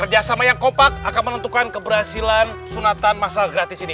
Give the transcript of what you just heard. kerjasama yang kompak akan menentukan keberhasilan sunatan masal gratis ini